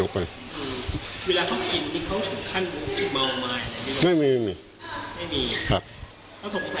อืมเวลาเขากินนี่เขาถึงขั้นไม่มีไม่มีไม่มีครับเขาสงสัยว่า